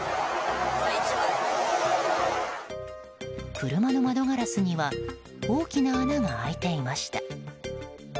車の窓ガラスには大きな穴が開いていました。